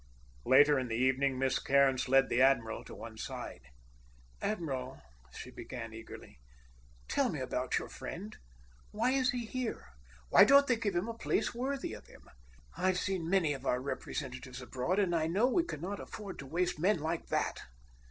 Later in the evening Miss Cairns led the admiral to one side. "Admiral," she began eagerly, "tell me about your friend. Why is he here? Why don't they give him a place worthy of him? I've seen many of our representatives abroad, and I know we cannot afford to waste men like that."